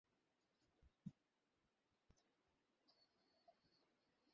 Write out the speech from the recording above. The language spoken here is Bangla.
শরীরটা খারাপ হবার পর থেকে তাঁর ভেতর একধরনের অস্থিরতা দেখা দিয়েছে।